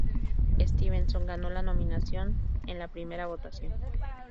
Stevenson ganó la nominación en la primera votación.